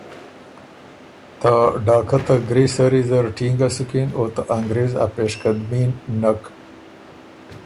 ته ډاکه ته ګری سری زر ټینګه سُکِن او ته انګرېز ا پېشقدمي ن نک۔